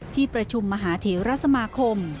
ที่ประชุมมหาเทราสมาคม